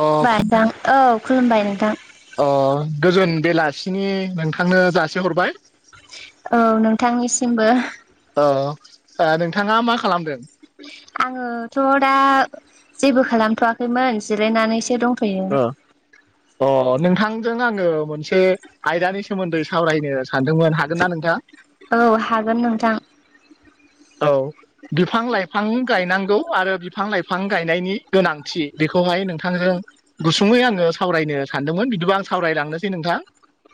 अ हबायोंथां औ खुलुमबाय नोंथां अ गोजोन बेलासिनि नोंथांनो जासे हरबाय औ नोंथांनिसिमबो अ नोंथाङा मा खालामदों? आङोथ' दा जेबो खालामथ'वाखैमोन जिरायनानैसो दं अ नोंथांजों आङो मोनसे आयदानि सोमोन्दै सावरायनो सानदोंमोन हागोन ना नोंथां औ हागोन नोंथां औ बिफां लाइफां बिफां गायनांगौ आरो बिफां लाइफां गायनायनि गोनांथि बेखौहाय नोंथांजों गुसुङै आङो सावरायनो सानदोंमोन बिदिबा आं सावरायलांनोसै नोंथां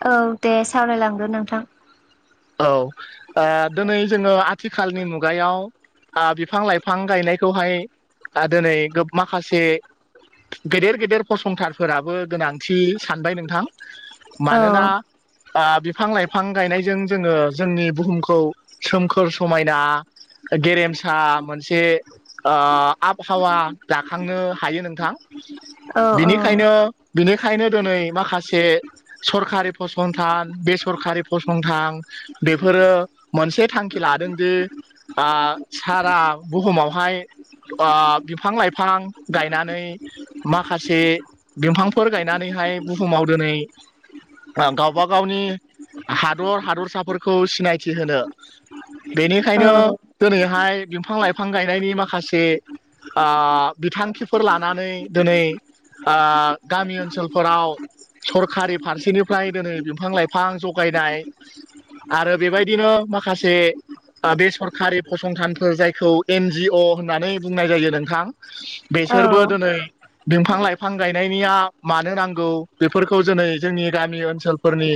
औ दे सावरायलांगोन नोंथां औ दिनै जोङो आथिखालनि मुगायाव बिफां लाइफां गायनायखौहाय दिनै माखासे गेदेर गेदेर फसंथानफोराबो गोनांथि सानबाय नोंथां औ मानोना बिफां लाइफां गायनायजों जोङो जोंनि बुहुमखौ सोमखोर समायना गेरेमसा मोनसे आबहावा जाखांनो हायो नोंथां औ औ बिनिखायनो बिनिखायनो दिनै माखासे सरखारि फसंथान बेसरखारि फसंथान बेफोरो मोनसे थांखि लादों दि सारा बुहुमावहाय बिफां लाइफां गायनानै माखासे बिफांफोर गायनानैहाय बुहुमाव दिनै गावबा गावनि हादर हादर आासाफोरखौ सिनायथि होनो बेनिखायनो औ दिनैहाय बिफां लाइफां गायनायनि माखासे बिथांखिफोर लानानै दिनै ओ गामि ओनसोलफोराव सरखारि फारसेनिफ्राय दिनै बिफां लाइफां जगायनाय आरो बेबायदिनो माखासे बे सरखारि फसंथानफोर जायखौ एन जि अ होननानै बुंनाय जायो नोंथां औ बेसोरबो दिनै बिफां लाइफां गायनायनिया मानो नांगौ बेफोरखौ दिनै जोंनि गामि ओनसोलफोरनि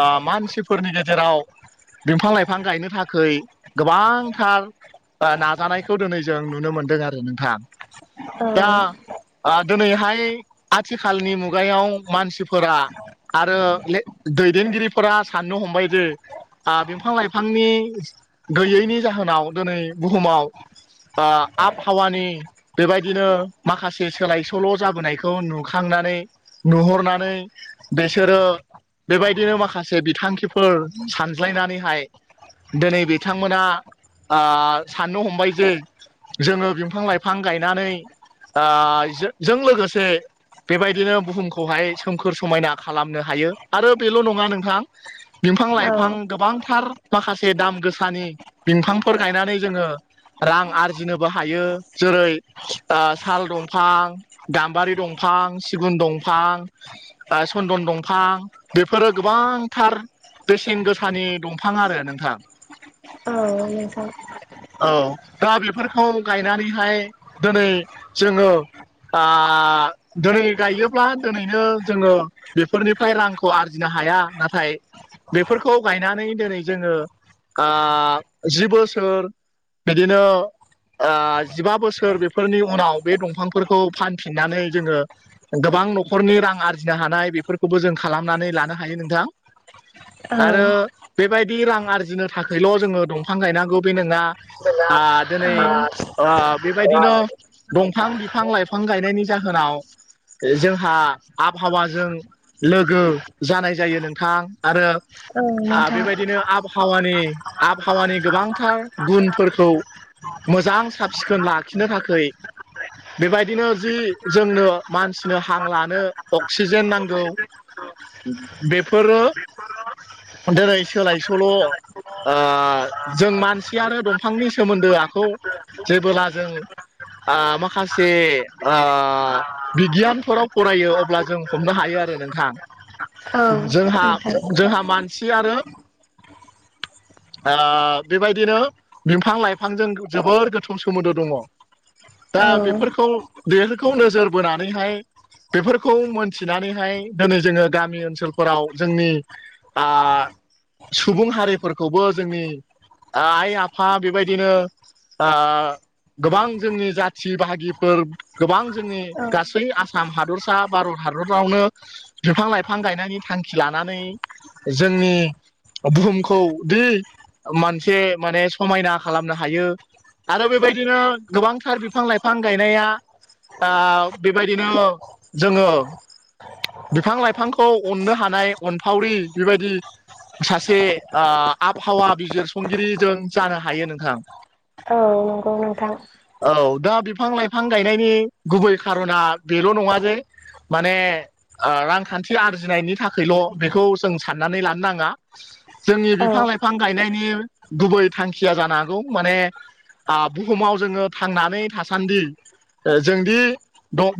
ओ मानसिफोरनि गेजेराव बिफां लाइफां गायनो थाख गोबांथार नाजानायखौ दिनै जों नुनो मोनदों आरो नोंथां दा औ दिनैहाय आथिखालनि मुगायाव मानसिफोरा आरो दैदेनगिरिफोरा साननो हमबाय जे आ बिफां लाइफांनि गैयैनि जाहोनाव दिनै बुहुमाव आ आबहावानि बेबायदिनो माखासे सोलाय सोल' जाबोनायखौ नुखांनानै नुहरनानै बेसोरो बेबाय दिनो माखासे बिथांखिफोर सानज्लायनानैहाय दिनै बिथांमोना साननो हमबाय जे जोङो बिफां लाइफां गायनानै जों लोगोसे बेबायदिनो बुहुमखौहाय सोमखोर समायना खालामनो हायो आरो बेल' नङा नोंथां बिफां औ लाइफां गोबांथार माखासे दाम गोसानि बिफांफोर गायनानै जोङो रां आरजिनोबो हायो जेरै साल दंफां गाम्बारि दंफां सिगुन दंफां सन्दन दंफां बेफोरो गोबांथार बेसेन गोसानि दंफां आरो नोंथां औ नोंथां। औ दा बेफोरखौ गायनानैहाय दोनै जोङो आं दोनै गायोब्ला दोनैनो जोङो बेफोरनिफ्राय रां खौ आरजिनो हाया नाथाय बेफोरखौ गायनानै दोनै जोङो जि बोसोर बिदिनो ओ जिबा बोसोर बेफोरनि उनाव बे दंफांफोरखौ फानफिननानै जोङो गोबां न'खरनि रां आरजिनो हानाय बेफोरखौबो जों खालामनानै लानो हायो नोंथां औ आरो बेबायदि रां आरजिनो थाखायल' जोङो दंफां गायनांगौ बे नङा आ दोनै औ आ बेबायदिनो दंफां बिफां लाइफां गायनायनि जाहोनाव जोंहा आबहावाजों लोगो जानाय जायो नोंथां आरो औ आ नोंथां बेबायदिनो आब हावानि आबहावानि गोबांथार गुनफोरखौ मोजां साब सिखोन लाखिनो थाखै बेबायदिनो जि जोंनो मानसिनो हां लानो अक्सिजेन नांगौ बेफोरो दोनै सोलाय सोल' आ जों मानसियानो दंफांनि सोमोन्दोआखौ जेबोला जों आ माखासे आ बिगियानफोराव फरायो अब्ला जों हमनो हायो आरो नों हा औ जोंहा नोंथां जोंहा मानसियानो आ बेबायदिनो बिफां लाइफांजों जोबोर गोथौ सोमोन्दो दङ। औ दा बेफोरखौ बेफोरखौ नोजोर बोनानैहाय बेफोरखौ मोनथिनानैहाय दिनै जोङो गामि ओनसोलफोराव जोंनि आ सुबुं हारिफोरखौबो जोंनि आइ आफा बेबायदिनो गोबां जोंनि जाथि बाहागिफोर गोबां जोंनि गासै आसाम हादरसा भारत हादरावनो बिफां लाइफां गायनायनि थांखि लानानै जोंनि बुहुमखौ दि मोनसे माने समायना खालामनो हायो आरो बेबायदिनो गोबांथार बिफां लाइफां गायनाया आ बेबायदिनो जोङो बिफां लाइफांखौ अननो हानाय अनफावरि बेबायदि सासे आ आबहावा बिजिरसंगिरि जों जानो हायो नोंथां। औ नंगौ नोंथां। औ दा बिफां लाइफां गायनायनि गुबै खारना बेल' नङा जे माने आ रांखान्थि आरजिनायनि थाखायल' बेखौ जों साननानै लानो नाङा। जोंनि औ बिफां लाइफां गायनायनि गुबै थांखिया जानो हागौ माने आ बुहुमाव जोङो थांनानै थासान्दि जोंदि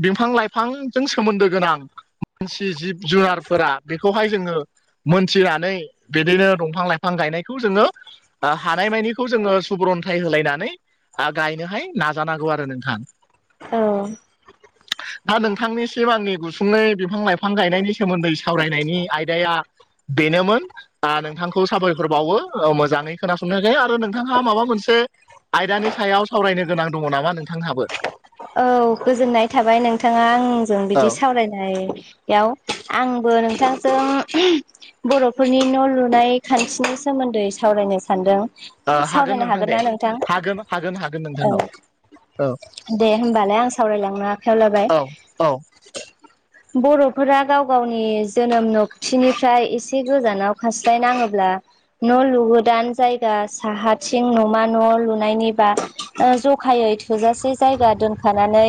बिफां लाइफांजों सोमोन्दो गोनां मानसि जिब जुनारफोरा बेखौहाय जोङो मोनथिनानै बिदिनो दंफां लाइफां गायनायखौ जोङो हानायमानिखौ जोङो सुबुरन्थाइ होलायनानै गायनोहाय नाजानांगौ आरो नोंथां। औ दा नोंथांनिसिम आंनि गुसुंनै बिफां लाइफां गायनायनि सोमोन्दै सावरायनायनि आयदाया बेनोमोन। आ नोंथांखौ साबायखर बावो मोजाङै खोनासंनायखाय आरो नोंथाङा माबा मोनसे आयदानि सायाव सावरायनो गोनां दङ नामा नोंथांहाबो? औ गोजोननाय थाबाय नोंथाङा आंजों औ बिदि सावरायनाय याव आंबो नोंथांजों बर'फोरनि न' लुनाय खान्थिनि सोमोन्दै सावरायनो सान्दों। ओ हागोन नोंथां दे हागोन हागोन हागोन नोंथां औ औ। दे होमबालाय आं सावरायलांनो आखायाव लाबाय। औ। बर'फोरा गाव गावनि जोनोम न'कथिनिफ्राय एसे गोजानाव खारस्लायनाङोब्ला न' लुगोदान जायगा साहाथिं न'मा न' लुनायनिबा ओ ज'खायै थोजासे जायगा दोनफानानै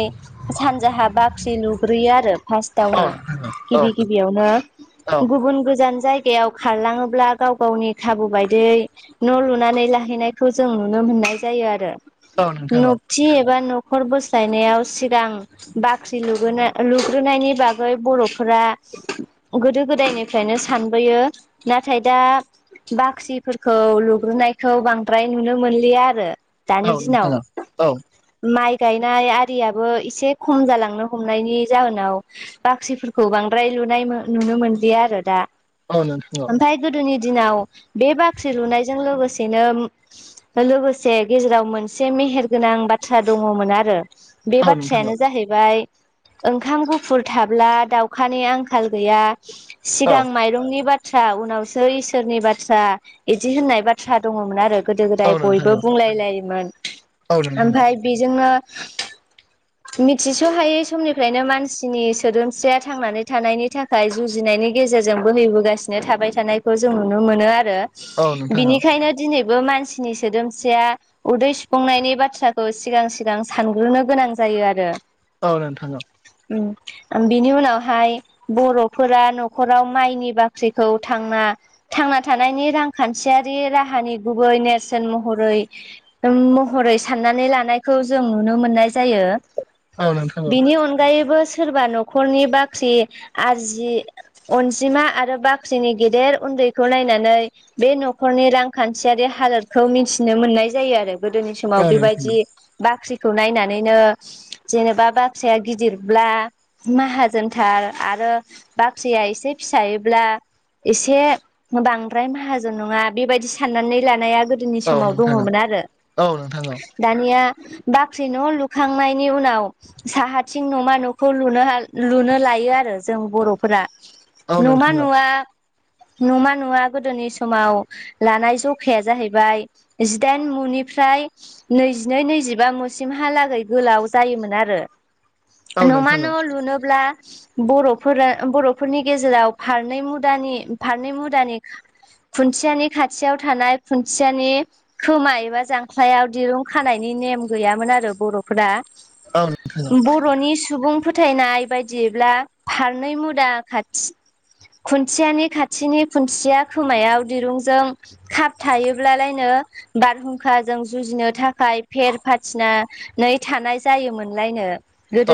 सानजाहा बाख्रि लुग्रोयो आरो औ फार्स्टावनो नोंथां औ औ गिबि गिबियावनो गुबुन गोजान जायगायाव खारलाङोब्ला गाव गावनि खाबु बायदियै न' लुनानै लाहैनायखौ जों नुनो मोननाय जायो आरो। औ नोंथां औ न' थि एबा न'खर बोस्लायनायाव सिगां बाख्रि लुग्रोनायनि ब बागै बर'फोरा गोदो गोदायनिफ्रायनो सानबोयो। नाथाय दा बाख्रिफोरखौ लुग्रोनायखौ बांद्राय नुनो मोनलिया आरो दानि औ दिनाव। नोंथां औ [inaudible] माइ गायनाय आरियाबो एसे खम जालांनो हमनायनि जाहोनाव बाख्रिफोरखौ बांद्राय लुनाय नुनो मोनलिया आरो दा। औ नोंथां औ। ओमफ्राय गोदोनि दिनाव बे बाख्रि लुनायजों लोगोसेनो फाय लोगोसे गेजेराव मोनसे मेहेर गोनां बाथ्रा दङमोन आरो। बे औ नोंथां बाथ्रायानो जाहैबाय ओंखाम गुफुर थाब्ला दाउखानि आंखाल गैया। औ सिगां माइरंनि बाथ्रा उनावसो इसोरनि बाथ्रा बिदि होननाय बाथ्रा दङमोन आरो। गोदो गोदाय औ नोंथां बयबो औ बुंलाय लायोमोन। औ नोंथां औ ओमफ्राय बिजोंनो मिथिस'हायै समनिफ्रायनो मानसिनि सो सोदोमस्रिया थांनानै थानायनि थाखाय जुजिनायनि गेजेरजोंबो नेबोगासिनो थाबाय थानाय खौ जों नुनो मोनो आरो। औ नोंथां औ बिनिखायनो दिनैबो मानसिनि सोदोमस्रिया उदै सुफुंनायनि बाथ्राखौ सिगां सिगां सानग्रोनो गोनां जायो आरो। औ नोंथां। उम। बिनि उनावहाय बर'फोरा न'खराव माइनि बाख्रिखौ थांना थांना थानायनि रांखान्थियारि राहानि गुबै नेरसोन महरै महरै साननानै लानायखौ जों नुनो मोननाय जायो। औ नोंथां बिनि अनगायैबो सोरबा न'खरनि बाख्रि आरजि अनजिमा आरो बाख्रिनि गेदेर उन्दैखौ नायनानै बे न'खरनि रांखान्थियारि हालोदखौ मिथिनो मोननाय जायो आरो गोदोनि सम समाव बेबायदि औ बाख्रिखौ नायनानैनो जेनेबा बाख्रिया गिदिरब्ला माहाजोनथार आरो बाख्रिया एसे फिसायोब्ला एसे बांद्राय माहाजोन नङा बेबायदि साननानै लानाया गोदोनि औ समाव नोंथां औ दङमोन आरो। औ नोंथां औ [inaudible] दानिया बाख्रि न' लुखांनायनि उनाव साहाथिं न'मा न' खौ लुनो हा लुनो लायो आरो जों बर'फोरा औ न'मा नोंथां औ न'वा न'मा न'वा गोदोनि समाव लानाय जखाया जाहैबाय जिदाइन मुनिफ्राय नैजिनै नैजिबा मुसिमहालागै गोलाव जायोमोन आरो। औ न'मा नोंथां औ न' लुनोब्ला बर'फोरा बर'फोरनि गेजेराव फारनै मुदानि फारनै मुदानि खुन्थियानि खाथियाव थानाय खुन्थियानि खोमा एबा जांख्लायाव दिरुं खानायनि नेम गैयामोन आरो बर'फोरा। औ नोंथां औ बर'नि सुबुं फोथायनाय बायदिब्ला फारनै मुदा खाथि खुन्थियानि खाथिनि खुन्थिया खोमायाव दिरुंजों खाब थायोब्लालायनो बारहुंखाजों जुजिनो थाखाय फेर फाथिना नै थानाय जायोमोनलायनो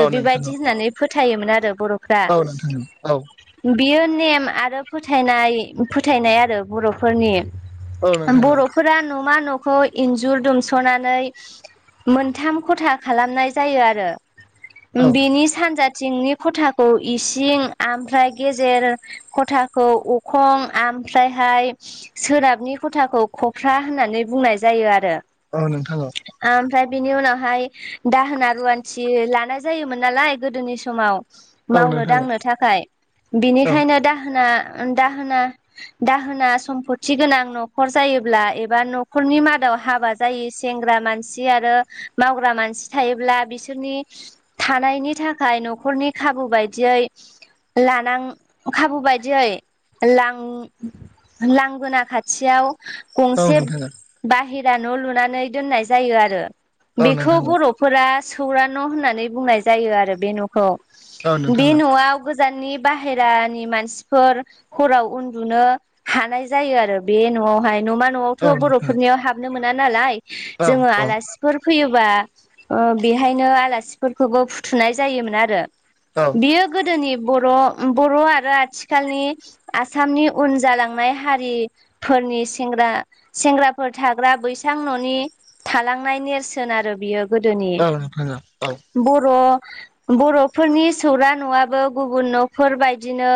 औ नोंथां औ बेबायदि होननानै फोथायोमोन आरो बर'फ्रा औ नोंथां औ बियो नेम आरो फोथायनाय फोथायनाय आरो बर'फोरनि औ नोंथां औ बर'फोरा न'मा न'खौ इन्जुर दुमस'नानै मोनथाम खथा खालामनाय जायो आरो औ बेनि सानजाथिंनि खथाखौ इसिं ओमफ्राय गेजेर खथाखौ अखं आमफ्रायहाय सोनाबनि खथाखौ खफ्रा होननानै बुंनाय जायो आरो औ नोंथां औ ओमफ्राय बिनि उनावहाय दाहोना रुवान्थि लानाय जायोमोन नालाय गोदोनि समाव औ नोंथां औ मावनो नोंथां दांनो थाखाय बिनिखायनो दाहोना दाहोना दाहोना सम्पति गोनां न'खर जायोब्ला एबा न'खरनि मादाव हाबा ज जायो सेंग्रा मानसि आरो मावग्रा मानसि थायोब्ला बिसोरनि थानायनि थाखाय न'खरनि खाबु बायदियै लानां खाबु बायदियै लां लांगोना खाथियाव गंसे बाहेरा न' लुनानै दोननाय जायो आरो औ नोंथां औ बेखौ नोंथां बर' फोर सौरा न' होननानै बुंनाय जायो आरो बे न'खौ औ नोंथां औ बे न'आव गोजाननि बाहेरानि मानसिफोर हराव उन्दुनो हानाय जायो आरो बे न'आवहाय न' मा न'आवथ' औ नोंथां औ नोंथां औ नोंथां औ नोंथां औ नोंथां औ नोंथां औ बर'फोरनियाव हाबनो मोना नालाय जों आलासि फोर फैयोबा बेहायनो आलासिफोरखौबो फुथुनाय जायोमोन आरो औ बियो गोदोनि बर' बर' आरो आथिखालनि आसामनि उन जालांनाय हारि फोरनि सेंग्रा सेंग्राफोर थाग्रा बैसां न'नि थालांनाय नेरसोन आरो बियो गोदोनि औ नोंथां औ बर' बर'फोरनि सौरा न'आबो गुबुन न'फोर बदिनो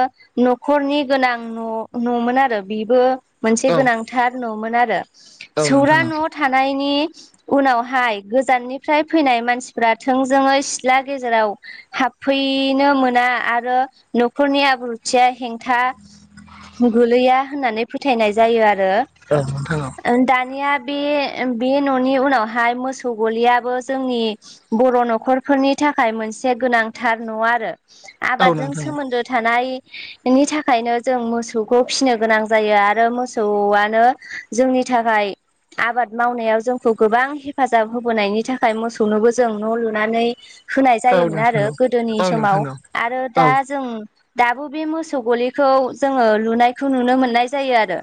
न'खरनि गोनां न' न'मोन आरो बेबो मोनसे गोनांथार न'मोन आरो सौरा न' थानायनि उनावहाय गोजाननिफ्राय फैनाय मानसिफोरा थोंजोङै सिथ्ला गेजेराव हाबफैनो मोना आरो न'खरनि आब्रुथिया हेंथा गोलैया होननानै फोथायनाय जायो आरो दानिया बे बे न'नि उनावहाय मोसौ गलियाबो जोंनि बर' न'खरफोरनि थाखाय मोनसे गोनांथार न' आरो आबादजों सोमोन्दो थानाय नि थाखायनो जों मोसौखौ फिसिनो गोनां जायो आरो मोसौआनो जोंनि थाखाय आबाद मावनायाव जोंखौ गोबां हेफाजाब होबोनायनि थाखाय मोसौनोबो जों न' लुनानै होनाय जायोमोन आरो गोदोनि समाव आरो दा जों दाबो बे मोसौ गलिखौ जोङो लुनायखौ नुनो मोननाय जायो आरो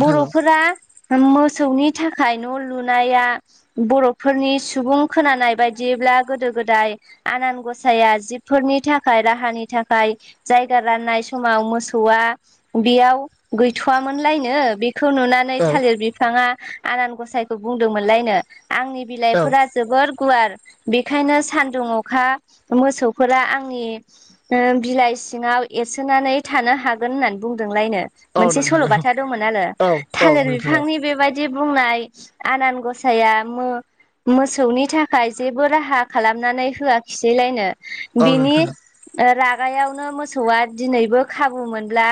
बर'फोरा मोसौनि थाखाय न' लुनाया बर'फोरनि सुबुं खोनानाय बायदिब्ला गोदो गोदाय आनान गसाया जिबफोरनि थाखाय राहानि थाखाय जायगा राननाय समाव मोसौआ बेयाव गैथ'वामोनलायनो बे खौ नुनानै थालिर बिफाङा आनान गसाइखौ बुंदोंमोनलायनो आंनि बिलाइफोरा जोबोर गुवार बेखायनो सान्दुं अखा मोसौफोरा आंनि बिलाइ सिङाव एरसोनानै थानो हागोन होननानै बुंदोंलायनो। मोनसे सल'बाथा दंमोन आरो थालिर नोंथां बिफांनि बेबायद दि बुंनाय आनान गसाइया मो-मोस मोसौनि थाखाय जेबो राहा खालामनानै होआखिसैलायनो औ बिनि नोंथां रागायावनो मोसौआ दिनैबो खाबु मोनब्ला